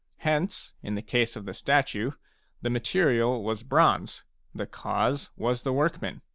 Hence, in the case of the statue, the material was bronze, the cause was the workman.